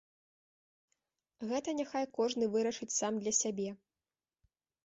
Гэта няхай кожны вырашыць сам для сябе.